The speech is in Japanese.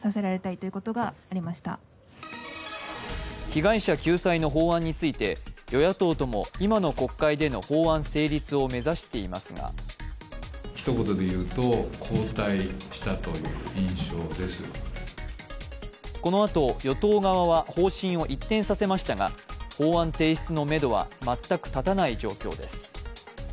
被害者救済の法案について与野党とも今の国会での法案成立を目指していますがこのあと与党側は方針を一転させましたが法案提出のめどは全く立たない状況です。